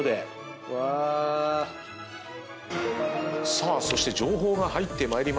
さあそして情報が入ってまいりました。